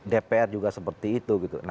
dpr juga seperti itu